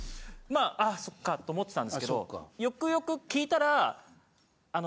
あそっかと思ってたんですけどよくよく聞いたら。